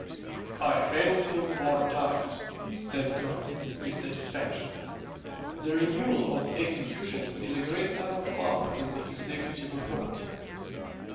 "I hanged him four times," said Kirke, with satisfaction. The renewal of executions is a great sign of power in the executive authority.